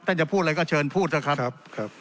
ท่านจะพูดอะไรก็เชิญพูดนะครับ